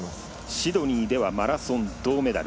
シドニーではマラソン銅メダル。